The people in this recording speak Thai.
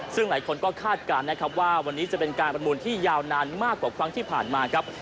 ซึ่งหลายคนก็คาดการณ์นะครับว่าวันนี้จะเป็นการประมูลที่ยาวนานมากกว่าครั้งที่ผ่านมาครับ